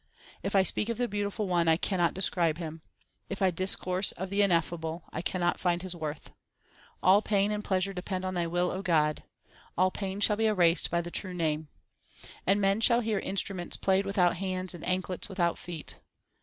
If I speak of the beautiful One, I cannot describe Him. If I discourse of the Ineffable, I cannot find His worth. All pain and pleasure depend on Thy will, O God. All pain shall be erased by the True Name, And men shall hear instruments played without hands and anklets without feet.